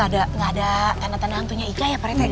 tapi dari tadi gak ada tanah tanah hantunya ika ya pak reti